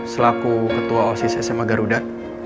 selaku ketua osis sma garuda